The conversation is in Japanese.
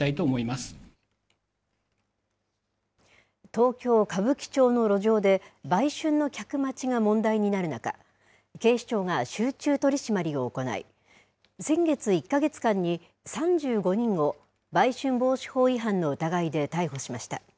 東京・歌舞伎町の路上で、売春の客待ちが問題になる中、警視庁が集中取締りを行い、先月１か月間に３５人を売春防止法違反の疑いで逮捕しました。